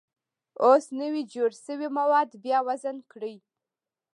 اوس نوي جوړ شوي مواد بیا وزن کړئ.